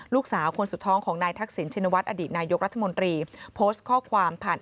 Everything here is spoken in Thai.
ลูกสาวคนสุดท้องของนายทักษิณชินวัฒนอดีตนายกรัฐมนตรีโพสต์ข้อความผ่าน